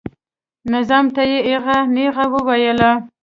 نظام ته یې ایغه نیغه وویله.